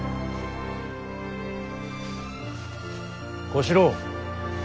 小四郎。